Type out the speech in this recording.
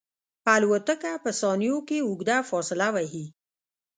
الوتکه په ثانیو کې اوږده فاصله وهي.